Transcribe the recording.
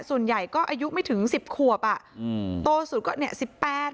ส่วนใหญ่ก็อายุไม่ถึงสิบขวบอ่ะอืมโตสุดก็เนี่ยสิบแปด